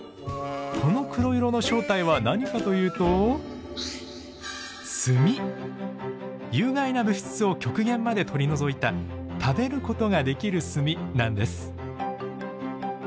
この黒色の正体は何かというと有害な物質を極限まで取り除いた食べることができる炭なんです。